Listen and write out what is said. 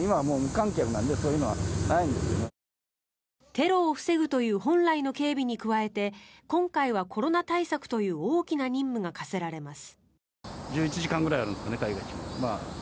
テロを防ぐという本来の警備に加えて今回はコロナ対策という大きな任務が課せられます。